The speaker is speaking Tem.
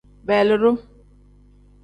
Beelidu.